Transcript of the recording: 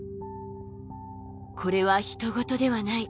「これはひと事ではない」。